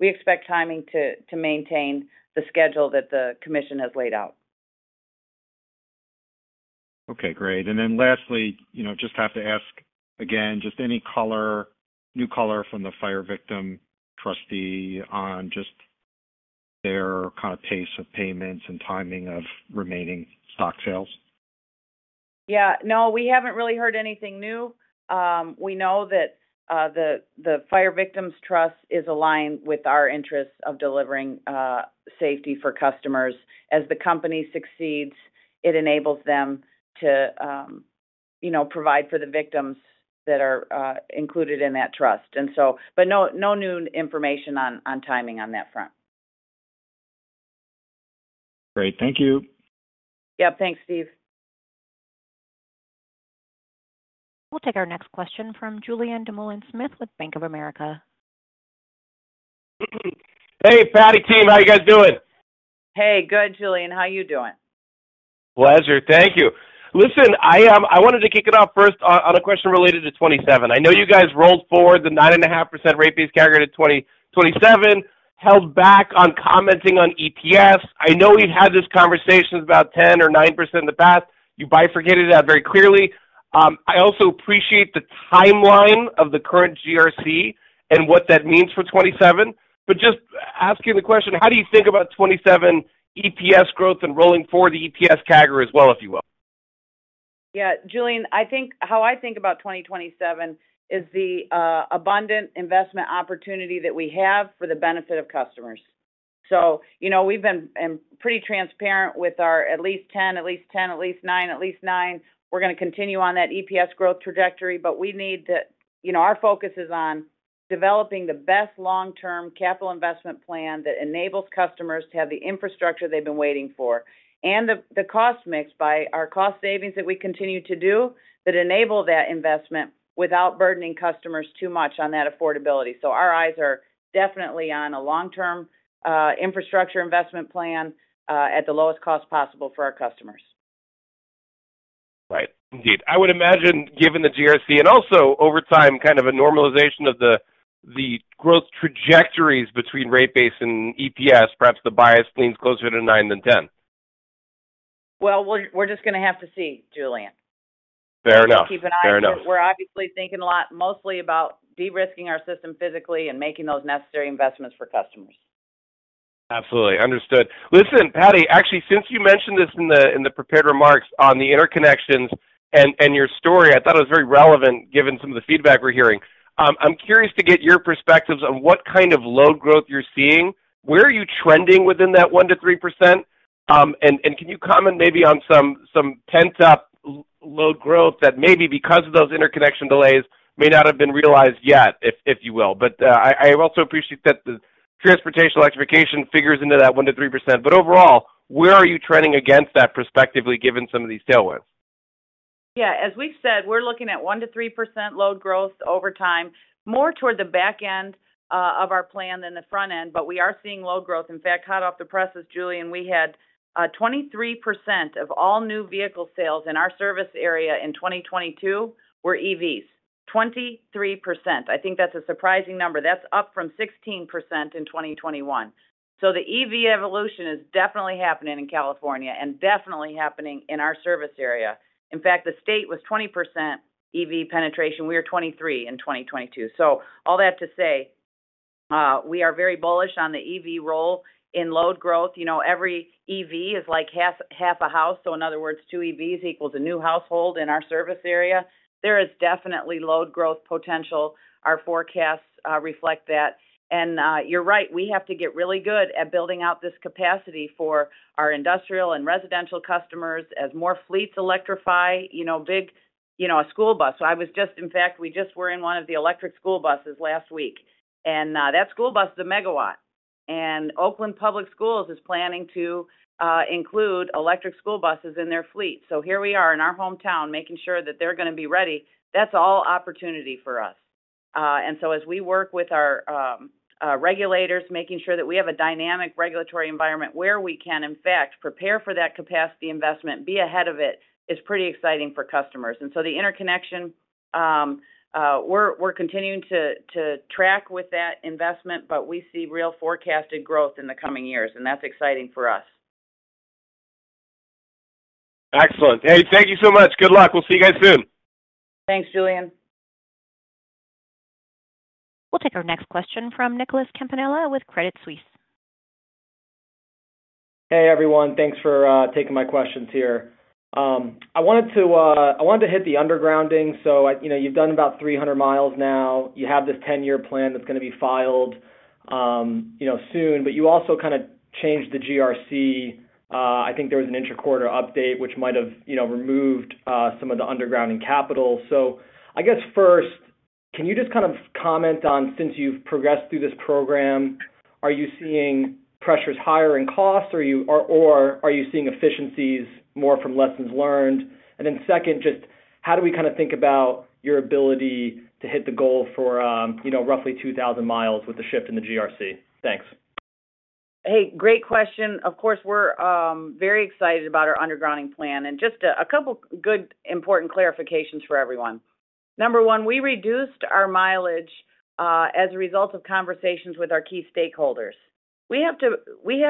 We expect timing to maintain the schedule that the Commission has laid out. Okay, great. Lastly, you know, just have to ask again, just any color, new color from the fire victim trustee on just their kind of pace of payments and timing of remaining stock sales. Yeah. No, we haven't really heard anything new. We know that the Fire Victim Trust is aligned with our interests of delivering safety for customers. As the company succeeds, it enables them to, you know, provide for the victims that are included in that trust. No, no new information on timing on that front. Great. Thank you. Yep. Thanks, Steve. We'll take our next question from Julien Dumoulin-Smith with Bank of America. Hey, Patti, team. How you guys doing? Hey, good, Julien. How are you doing? Pleasure. Thank you. Listen, I wanted to kick it off first on a question related to 27. I know you guys rolled forward the 9.5% rate base category to 2027, held back on commenting on EPS. I know we've had this conversation about 10 or 9% in the past. You bifurcated it out very clearly. I also appreciate the timeline of the current GRC and what that means for 27. Just asking the question, how do you think about 27 EPS growth and rolling forward the EPS CAGR as well, if you will? Yeah. Julien, I think how I think about 2027 is the abundant investment opportunity that we have for the benefit of customers. You know, we've been pretty transparent with our at least 10, at least nine. We're gonna continue on that EPS growth trajectory. You know, our focus is on developing the best long-term capital investment plan that enables customers to have the infrastructure they've been waiting for. The cost mix by our cost savings that we continue to do that enable that investment without burdening customers too much on that affordability. Our eyes are definitely on a long-term infrastructure investment plan at the lowest cost possible for our customers. Right. Indeed. I would imagine, given the GRC and also over time, kind of a normalization of the growth trajectories between rate base and EPS, perhaps the bias leans closer to 9 than 10. Well, we're just gonna have to see, Julien. Fair enough. Fair enough. Keep an eye on it. We're obviously thinking a lot mostly about de-risking our system physically and making those necessary investments for customers. Absolutely. Understood. Listen, Patty, actually, since you mentioned this in the prepared remarks on the interconnections and your story, I thought it was very relevant given some of the feedback we're hearing. I'm curious to get your perspectives on what kind of load growth you're seeing. Where are you trending within that 1%-3%? And can you comment maybe on some pent-up load growth that maybe because of those interconnection delays may not have been realized yet, if you will. I also appreciate that the transportation electrification figures into that 1%-3%. Overall, where are you trending against that prospectively, given some of these tailwinds? As we've said, we're looking at 1%-3% load growth over time, more toward the back end of our plan than the front end, but we are seeing load growth. In fact, hot off the presses, Julien, we had 23% of all new vehicle sales in our service area in 2022 were EVs. 23%. I think that's a surprising number. That's up from 16% in 2021. The EV evolution is definitely happening in California and definitely happening in our service area. In fact, the state was 20% EV penetration. We are 23 in 2022. All that to say, we are very bullish on the EV role in load growth. You know, every EV is like half a house. In other words, two EVs equals a new household in our service area. There is definitely load growth potential. Our forecasts reflect that. You're right, we have to get really good at building out this capacity for our industrial and residential customers as more fleets electrify, you know, big, you know, a school bus. In fact, we just were in one of the electric school buses last week. That school bus is a megawatt. Oakland Public Schools is planning to include electric school buses in their fleet. Here we are in our hometown, making sure that they're gonna be ready. That's all opportunity for us. As we work with our regulators, making sure that we have a dynamic regulatory environment where we can, in fact, prepare for that capacity investment, be ahead of it, is pretty exciting for customers. The interconnection, we're continuing to track with that investment, but we see real forecasted growth in the coming years, and that's exciting for us. Excellent. Hey, thank you so much. Good luck. We'll see you guys soon. Thanks, Julien. We'll take our next question from Nicholas Campanella with Credit Suisse. Hey, everyone. Thanks for taking my questions here. I wanted to hit the undergrounding. You know, you've done about 300 miles now. You have this 10-year plan that's gonna be filed, you know, soon, but you also kinda changed the GRC. I think there was an interquarter update which might have, you know, removed some of the underground in capital. I guess first, can you just kind of comment on, since you've progressed through this program, are you seeing pressures higher in cost? Or are you seeing efficiencies more from lessons learned? Second, just how do we kind of think about your ability to hit the goal for, you know, roughly 2,000 miles with the shift in the GRC? Thanks. Hey, great question. Of course, we're very excited about our undergrounding plan. Just a couple good important clarifications for everyone. Number one, we reduced our mileage as a result of conversations with our key stakeholders. We have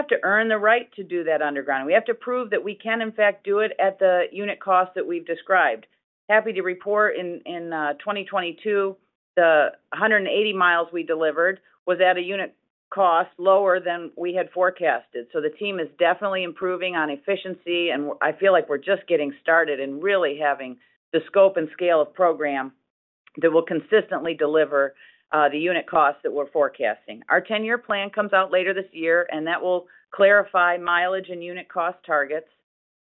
to earn the right to do that underground. We have to prove that we can, in fact, do it at the unit cost that we've described. Happy to report in 2022, the 180 miles we delivered was at a unit cost lower than we had forecasted. The team is definitely improving on efficiency, and I feel like we're just getting started and really having the scope and scale of program that will consistently deliver the unit costs that we're forecasting. Our 10-year plan comes out later this year, and that will clarify mileage and unit cost targets.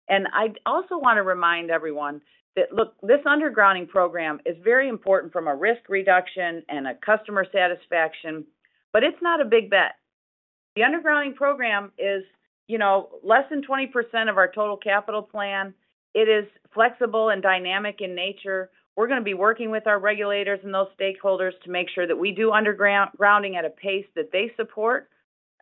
I also want to remind everyone that, look, this undergrounding program is very important from a risk reduction and a customer satisfaction, but it's not a big bet. The undergrounding program is, you know, less than 20% of our total capital plan. It is flexible and dynamic in nature. We're gonna be working with our regulators and those stakeholders to make sure that we do undergrounding at a pace that they support.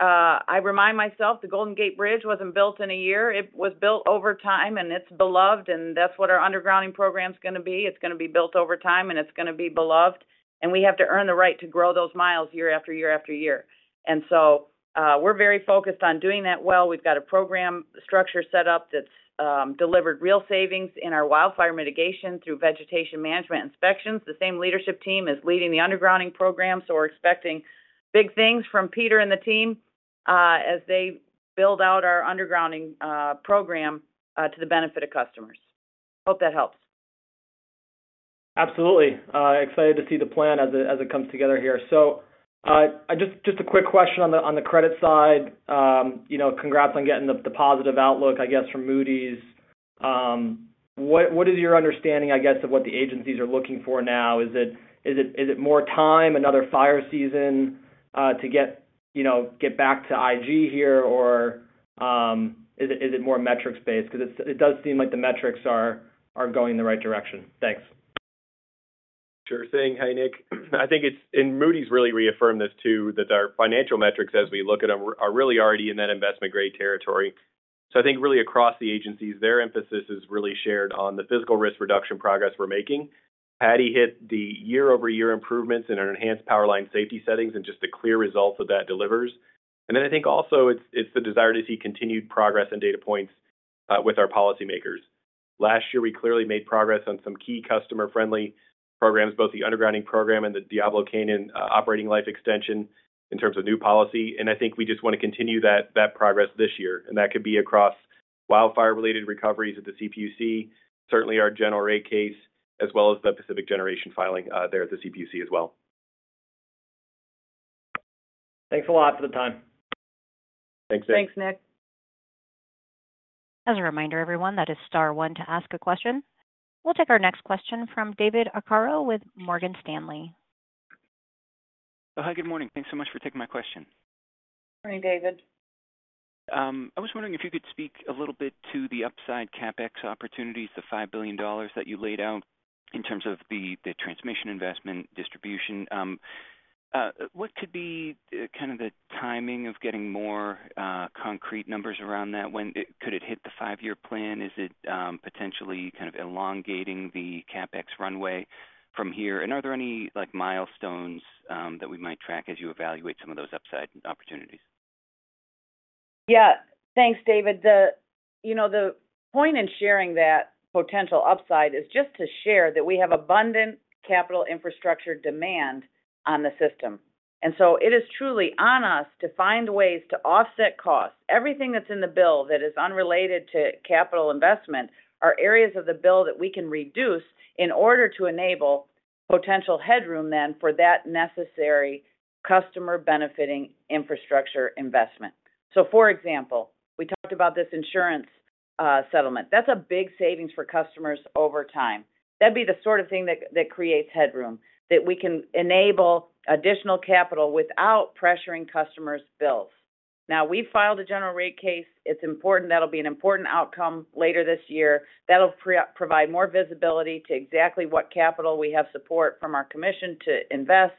I remind myself, the Golden Gate Bridge wasn't built in a year. It was built over time, and it's beloved, and that's what our undergrounding program's gonna be. It's gonna be built over time, and it's gonna be beloved, and we have to earn the right to grow those miles year after year after year. We're very focused on doing that well. We've got a program structure set up that's delivered real savings in our wildfire mitigation through vegetation management inspections. The same leadership team is leading the undergrounding program. We're expecting big things from Peter and the team, as they build out our undergrounding program to the benefit of customers. Hope that helps. Absolutely. excited to see the plan as it comes together here. just a quick question on the credit side. you know, congrats on getting the positive outlook, I guess, from Moody's. what is your understanding, I guess, of what the agencies are looking for now? Is it more time, another fire season, to get, you know, get back to IG here? is it more metrics-based? it does seem like the metrics are going in the right direction. Thanks. Sure thing. Hey, Nick. I think it's, Moody's really reaffirmed this too, that our financial metrics as we look at them are really already in that investment-grade territory. I think really across the agencies, their emphasis is really shared on the physical risk reduction progress we're making. Patty hit the year-over-year improvements in our enhanced power line safety settings and just the clear results that delivers. Then I think also it's the desire to see continued progress and data points with our policymakers. Last year, we clearly made progress on some key customer-friendly programs, both the undergrounding program and the Diablo Canyon operating life extension in terms of new policy. I think we just want to continue that progress this year, and that could be across wildfire-related recoveries at the CPUC, certainly our general rate case, as well as the Pacific Generation filing, there at the CPUC as well. Thanks a lot for the time. Thanks, Nick. Thanks, Nick. As a reminder, everyone, that is star one to ask a question. We'll take our next question from David Arcaro with Morgan Stanley. Hi. Good morning. Thanks so much for taking my question. Morning, David. I was wondering if you could speak a little bit to the upside CapEx opportunities, the $5 billion that you laid out in terms of the transmission investment distribution. What could be kind of the timing of getting more concrete numbers around that? Could it hit the five-year plan? Is it potentially kind of elongating the CapEx runway from here? Are there any, like, milestones that we might track as you evaluate some of those upside opportunities? Thanks, David. You know, the point in sharing that potential upside is just to share that we have abundant capital infrastructure demand on the system. It is truly on us to find ways to offset costs. Everything that's in the bill that is unrelated to capital investment are areas of the bill that we can reduce in order to enable potential headroom then for that necessary customer-benefiting infrastructure investment. For example, we talked about this insurance settlement. That's a big savings for customers over time. That'd be the sort of thing that creates headroom, that we can enable additional capital without pressuring customers' bills. We filed a general rate case. It's important. That'll be an important outcome later this year. That'll pre-provide more visibility to exactly what capital we have support from our commission to invest.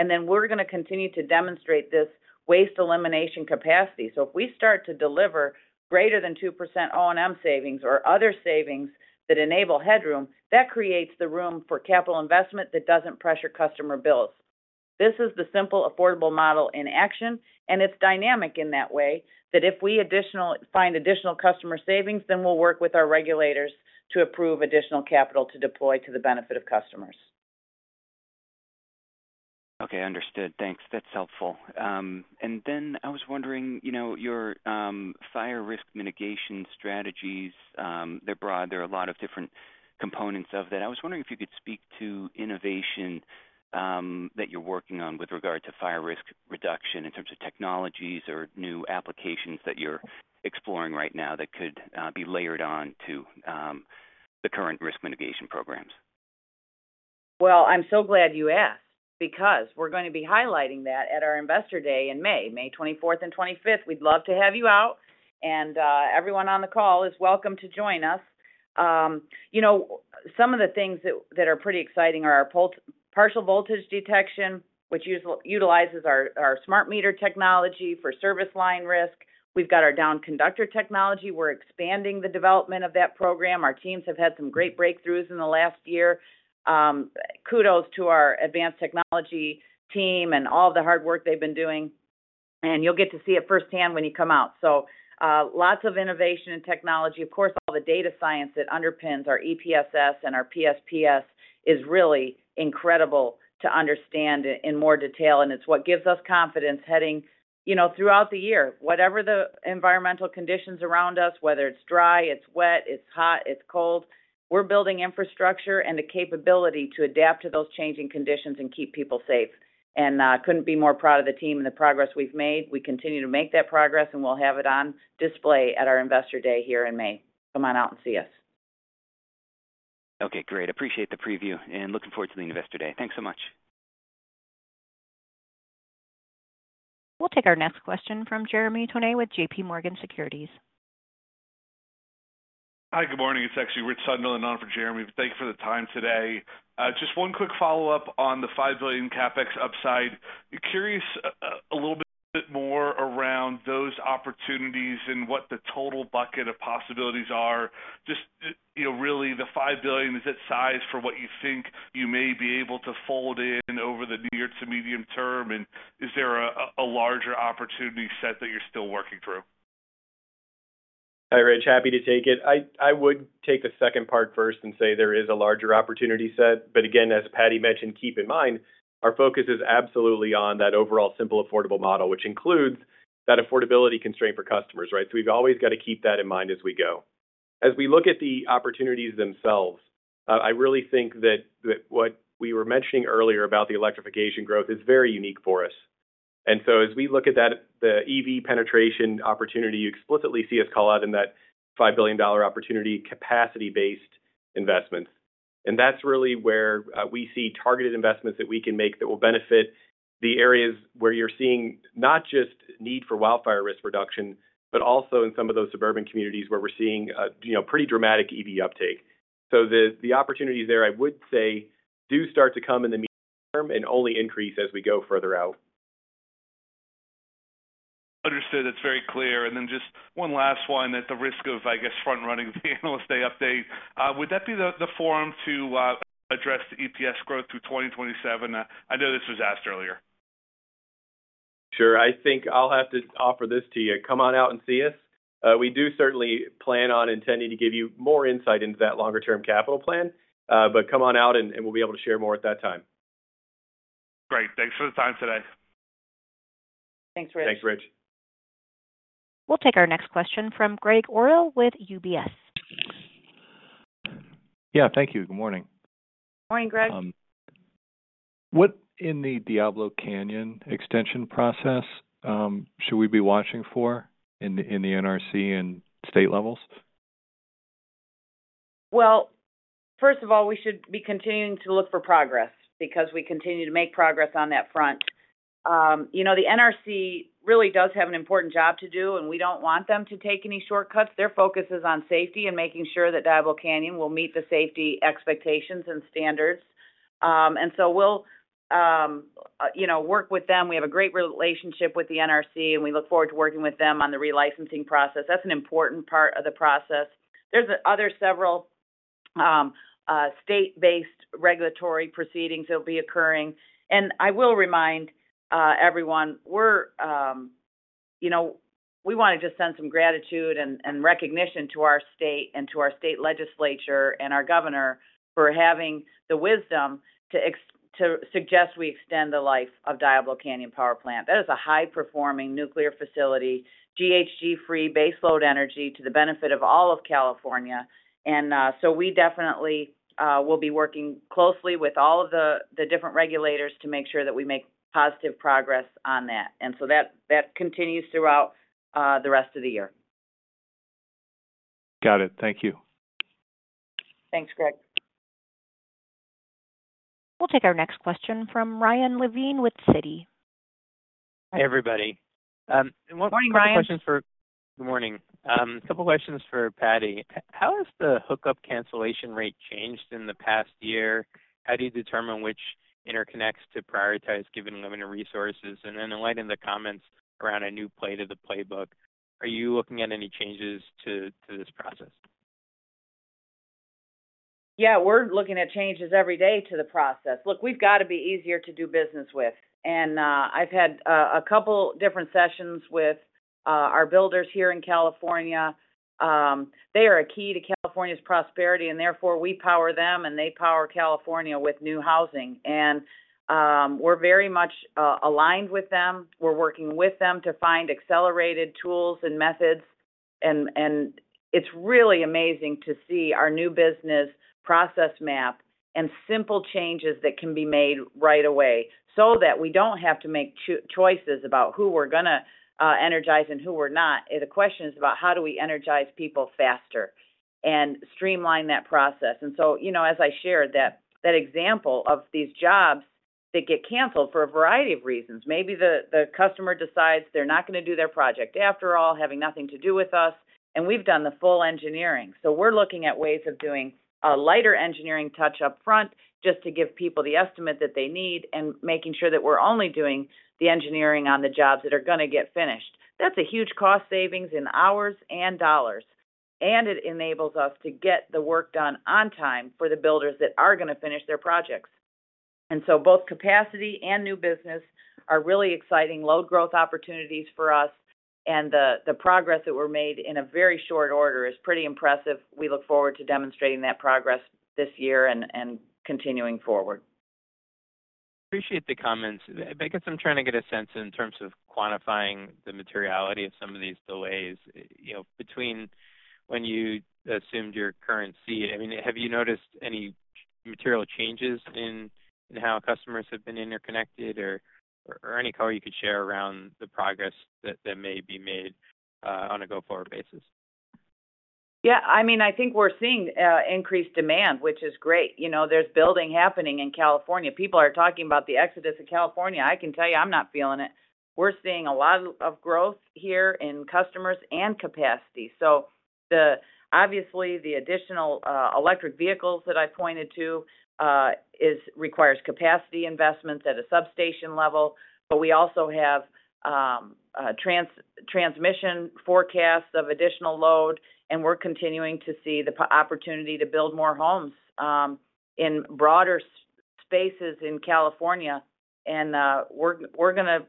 We're gonna continue to demonstrate this waste elimination capacity. If we start to deliver greater than 2% O&M savings or other savings that enable headroom, that creates the room for capital investment that doesn't pressure customer bills. This is the simple, affordable model in action, and it's dynamic in that way, that if we find additional customer savings, we'll work with our regulators to approve additional capital to deploy to the benefit of customers. Okay. Understood. Thanks. That's helpful. I was wondering, you know, your fire risk mitigation strategies, they're broad. There are a lot of different components of that. I was wondering if you could speak to innovation that you're working on with regard to fire risk reduction in terms of technologies or new applications that you're exploring right now that could be layered on to the current risk mitigation programs. Well, I'm so glad you asked, because we're going to be highlighting that at our Investor Day in May 24th and 25th. We'd love to have you out. Everyone on the call is welcome to join us. You know, some of the things that are pretty exciting are our Partial Voltage Detection, which utilizes our SmartMeter technology for service line risk. We've got our Downed Conductor Detection. We're expanding the development of that program. Our teams have had some great breakthroughs in the last year. Kudos to our advanced technology team and all the hard work they've been doing, and you'll get to see it firsthand when you come out. Lots of innovation and technology. Of course, all the data science that underpins our EPSS and our PSPS is really incredible to understand in more detail, and it's what gives us confidence heading, you know, throughout the year. Whatever the environmental conditions around us, whether it's dry, it's wet, it's hot, it's cold, we're building infrastructure and the capability to adapt to those changing conditions and keep people safe. Couldn't be more proud of the team and the progress we've made. We continue to make that progress, and we'll have it on display at our Investor Day here in May. Come on out and see us. Okay, great. Appreciate the preview, looking forward to the Investor Day. Thanks so much. We'll take our next question from Jeremy Tonet with JPMorgan Securities. Hi. Good morning. It's actually Richard Sunderland on for Jeremy, but thanks for the time today. Just one quick follow-up on the $5 billion CapEx upside. Curious a little bit more around those opportunities and what the total bucket of possibilities are. Just, you know, really the $5 billion, is it sized for what you think you may be able to fold in over the near to medium term, and is there a larger opportunity set that you're still working through? Hi, Rich. Happy to take it. I would take the second part first and say there is a larger opportunity set. Again, as Patti mentioned, keep in mind our focus is absolutely on that overall simple, affordable model, which includes that affordability constraint for customers, right? We've always got to keep that in mind as we go. As we look at the opportunities themselves, I really think that what we were mentioning earlier about the electrification growth is very unique for us. As we look at that, the EV penetration opportunity, you explicitly see us call out in that $5 billion opportunity capacity-based investments. That's really where we see targeted investments that we can make that will benefit the areas where you're seeing not just need for wildfire risk reduction, but also in some of those suburban communities where we're seeing, you know, pretty dramatic EV uptake. The opportunities there, I would say, do start to come in the medium term and only increase as we go further out. Understood. That's very clear. Just one last one at the risk of, I guess, front running the Analyst Day update. Would that be the forum to address the EPS growth through 2027? I know this was asked earlier. Sure. I think I'll have to offer this to you. Come on out and see us. We do certainly plan on intending to give you more insight into that longer term capital plan. Come on out, and we'll be able to share more at that time. Great. Thanks for the time today. Thanks, Rich. Thanks, Rich. We'll take our next question from Gregg Orrill with UBS. Yeah, thank you. Good morning. Morning, Greg. What in the Diablo Canyon extension process, should we be watching for in the NRC and state levels? First of all, we should be continuing to look for progress because we continue to make progress on that front. You know, the NRC really does have an important job to do, and we don't want them to take any shortcuts. Their focus is on safety and making sure that Diablo Canyon will meet the safety expectations and standards. We'll, you know, work with them. We have a great relationship with the NRC, and we look forward to working with them on the relicensing process. That's an important part of the process. There's other several, state-based regulatory proceedings that will be occurring. I will remind everyone, you know, we want to just send some gratitude and recognition to our state and to our state legislature and our governor for having the wisdom to suggest we extend the life of Diablo Canyon Power Plant. That is a high-performing nuclear facility, GHG-free baseload energy to the benefit of all of California. We definitely will be working closely with all of the different regulators to make sure that we make positive progress on that. That continues throughout the rest of the year. Got it. Thank you. Thanks, Greg. We'll take our next question from Ryan Levine with Citi. Hi, everybody. Morning, Ryan. Couple questions for. Good morning. A couple questions for Patty. How has the hookup cancellation rate changed in the past year? How do you determine which interconnects to prioritize given limited resources? In light of the comments around a new play to the playbook, are you looking at any changes to this process? Yeah, we're looking at changes every day to the process. Look, we've got to be easier to do business with. I've had a couple different sessions with our builders here in California. They are a key to California's prosperity, and therefore we power them, and they power California with new housing. We're very much aligned with them. We're working with them to find accelerated tools and methods. It's really amazing to see our new business process map and simple changes that can be made right away so that we don't have to make choices about who we're gonna energize and who we're not. The question is about how do we energize people faster? Streamline that process. You know, as I shared that example of these jobs that get canceled for a variety of reasons, maybe the customer decides they're not gonna do their project after all, having nothing to do with us, and we've done the full engineering. We're looking at ways of doing a lighter engineering touch up front just to give people the estimate that they need, and making sure that we're only doing the engineering on the jobs that are gonna get finished. That's a huge cost savings in hours and dollars, and it enables us to get the work done on time for the builders that are gonna finish their projects. Both capacity and new business are really exciting load growth opportunities for us. The, the progress that were made in a very short order is pretty impressive. We look forward to demonstrating that progress this year and continuing forward. Appreciate the comments. I guess I'm trying to get a sense in terms of quantifying the materiality of some of these delays, you know, between when you assumed your current C. I mean, have you noticed any material changes in how customers have been interconnected or any color you could share around the progress that may be made on a go-forward basis? Yeah, I mean, I think we're seeing increased demand, which is great. You know, there's building happening in California. People are talking about the exodus of California. I can tell you I'm not feeling it. We're seeing a lot of growth here in customers and capacity. Obviously the additional electric vehicles that I pointed to, requires capacity investments at a substation level. We also have transmission forecasts of additional load, and we're continuing to see the opportunity to build more homes in broader spaces in California. We're gonna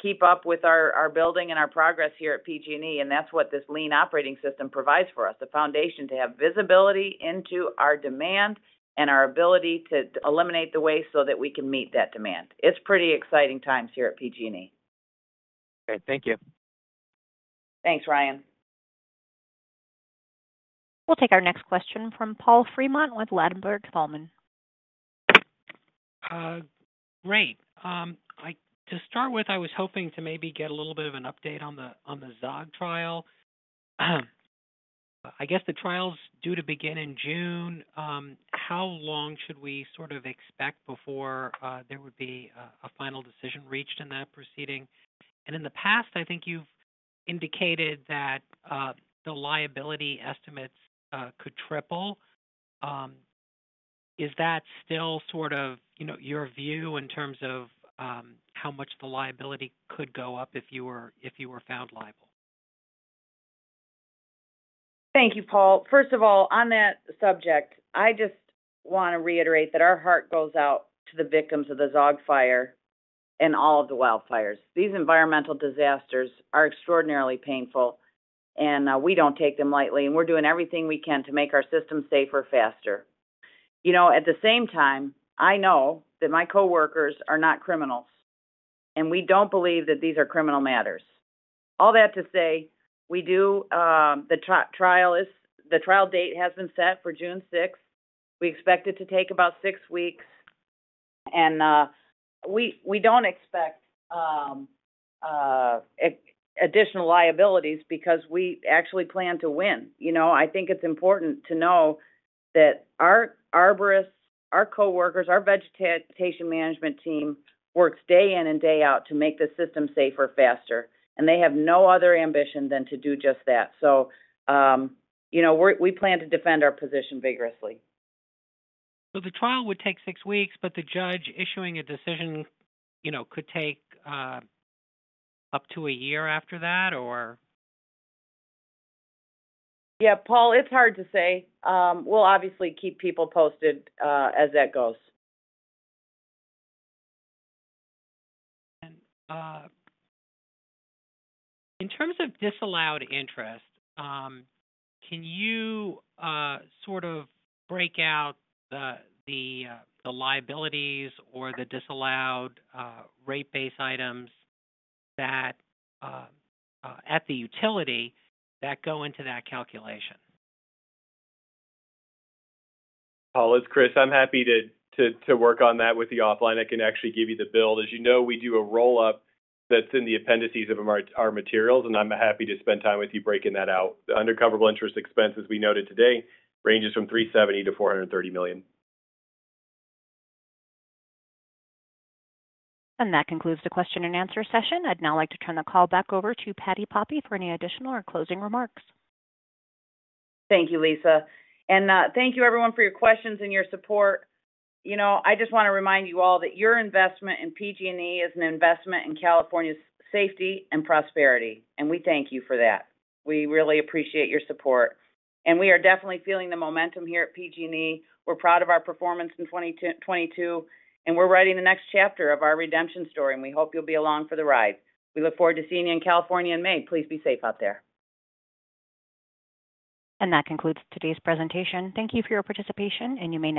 keep up with our building and our progress here at PG&E, and that's what this lean operating system provides for us, the foundation to have visibility into our demand and our ability to eliminate the waste so that we can meet that demand. It's pretty exciting times here at PG&E. Great. Thank you. Thanks, Ryan. We'll take our next question from Paul Fremont with Ladenburg Thalmann. Great. To start with, I was hoping to maybe get a little bit of an update on the Zogg trial. I guess the trial's due to begin in June. How long should we sort of expect before there would be a final decision reached in that proceeding? In the past, I think you've indicated that the liability estimates could triple. Is that still sort of, you know, your view in terms of how much the liability could go up if you were, if you were found liable? Thank you, Paul. First of all, on that subject, I just wanna reiterate that our heart goes out to the victims of the Zogg Fire and all of the wildfires. These environmental disasters are extraordinarily painful, and we don't take them lightly, and we're doing everything we can to make our system safer faster. You know, at the same time, I know that my coworkers are not criminals, and we don't believe that these are criminal matters. All that to say, we do, the trial date has been set for June sixth. We expect it to take about six weeks, and we don't expect additional liabilities because we actually plan to win. You know, I think it's important to know that our arborists, our coworkers, our vegetation management team works day in and day out to make the system safer faster, and they have no other ambition than to do just that. You know, we plan to defend our position vigorously. The trial would take 6 weeks, but the judge issuing a decision, you know, could take up to 1 year after that or? Yeah, Paul, it's hard to say. We'll obviously keep people posted as that goes. In terms of disallowed interest, can you sort of break out the liabilities or the disallowed rate base items that at the utility that go into that calculation? Paul, it's Chris. I'm happy to work on that with you offline. I can actually give you the bill. As you know, we do a roll-up that's in the appendices of our materials, and I'm happy to spend time with you breaking that out. The undercoverable interest expense, as we noted today, ranges from $370 million-$430 million. That concludes the question and answer session. I'd now like to turn the call back over to Patti Poppe for any additional or closing remarks. Thank you, Lisa. Thank you everyone for your questions and your support. You know, I just wanna remind you all that your investment in PG&E is an investment in California's safety and prosperity, and we thank you for that. We really appreciate your support, and we are definitely feeling the momentum here at PG&E. We're proud of our performance in 2022, and we're writing the next chapter of our redemption story, and we hope you'll be along for the ride. We look forward to seeing you in California in May. Please be safe out there. That concludes today's presentation. Thank you for your participation, and you may.